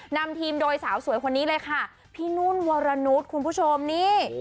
นำทีมโดยสาวสวยคนนี้เลยค่ะพี่นุ่นวรนุษย์คุณผู้ชมนี่